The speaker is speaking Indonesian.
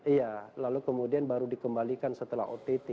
iya lalu kemudian baru dikembalikan setelah ott